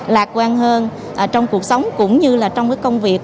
lạc quan hơn trong cuộc sống cũng như là trong cái công việc